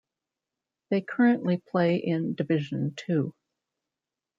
They currently play in Division Two.